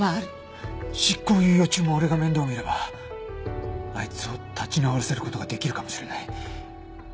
執行猶予中も俺が面倒を見ればあいつを立ち直らせる事ができるかもしれない。